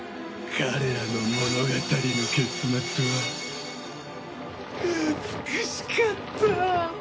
彼らの物語の結末は美しかった！